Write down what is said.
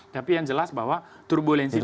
tapi yang jelas bahwa turbulensi